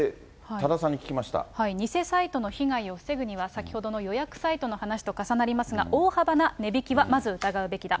偽サイトの被害を防ぐには、先ほどの予約サイトの話と重なりますが、大幅な値引きはまず疑うべきだ。